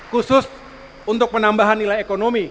khusus untuk penambahan nilai ekonomi